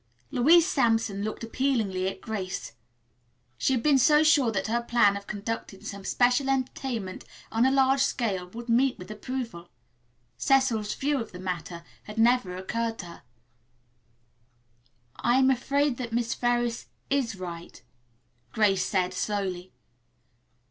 Louise Sampson looked appealingly at Grace. She had been so sure that her plan of conducting some special entertainment on a large scale would meet with approval. Cecil's view of the matter had never occurred to her. "I am afraid that Miss Ferris is right," Grace said slowly.